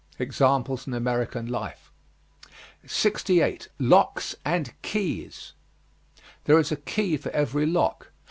Examples in American life. 68. LOCKS AND KEYS. There is a key for every lock.